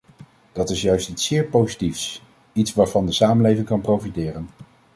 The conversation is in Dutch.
Dat is juist iets zeer positiefs, iets waarvan de samenleving kan profiteren.